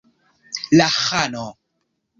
La ĥano!